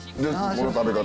この食べ方。